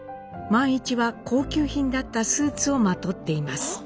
萬一は高級品だったスーツをまとっています。